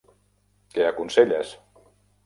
Què aconselles?